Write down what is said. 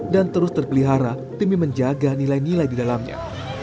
dan terus terpelihara demi menjaga nilai nilai di dalamnya